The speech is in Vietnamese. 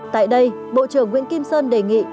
tại đây bộ trưởng nguyễn kim sơn đề nghị